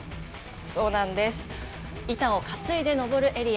板を担いで登るエリア。